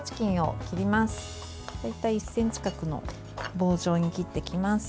大体１ｃｍ角の棒状に切っていきます。